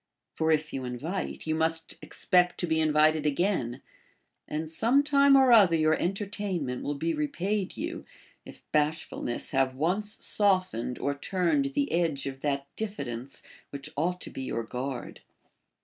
For if you invite, you must expect to be invited again ; and some time or other your entertainment will be repaid you, if bashfulness have once softened or turned the edge of that diffidence which ought to be your guard.